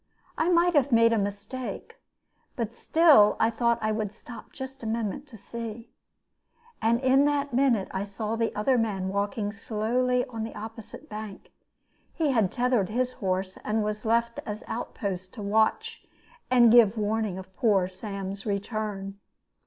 I might have made a mistake; but still I thought I would stop just a minute to see. And in that minute I saw the other man walking slowly on the opposite bank. He had tethered his horse, and was left as outpost to watch and give warning of poor Uncle Sam's return.